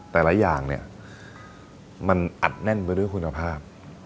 แต่หลายอย่างมันอัดแน่นไปด้วยคุณภาพ